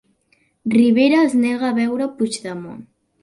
Rivera es nega a veure Puigdemont